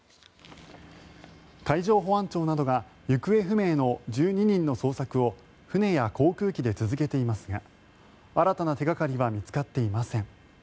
海上保安庁などが行方不明の１２人の捜索を船や航空機で続けていますが新たな手掛かりは見つかっていません。